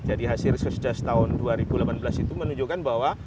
jadi hasil riset jas tahun dua ribu delapan belas itu menunjukkan bahwa